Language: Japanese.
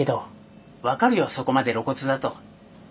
そこまで露骨だと。